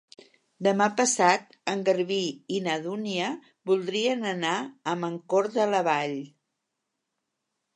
Demà passat en Garbí i na Dúnia voldrien anar a Mancor de la Vall.